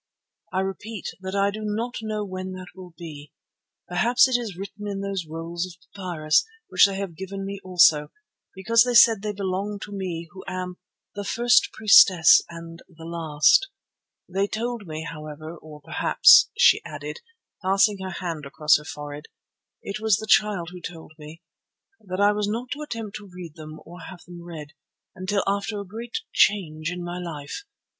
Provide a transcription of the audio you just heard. I repeat that I do not know when that will be. Perhaps it is written in those rolls of papyrus, which they have given me also, because they said they belonged to me who am 'the first priestess and the last.' They told me, however, or perhaps," she added, passing her hand across her forehead, "it was the Child who told me, that I was not to attempt to read them or have them read, until after a great change in my life.